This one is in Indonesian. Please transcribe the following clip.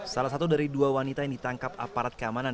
salah satu dari dua wanita yang ditangkap aparat keamanan